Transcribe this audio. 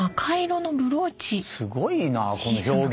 すごいなこの表現。